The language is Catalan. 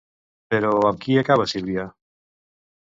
Però amb qui acaba Silvia?